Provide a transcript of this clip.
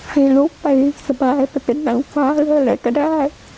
ให้ลูกไปสบายไปเป็นนางฟ้าด้วยอะไรก็ได้